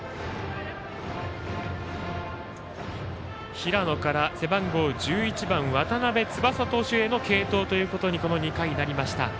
平野から背番号１１番渡邉翼投手への継投にこの回、なりました。